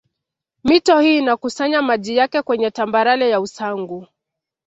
Mito hii inakusanya maji yake kwenye tambarare ya Usangu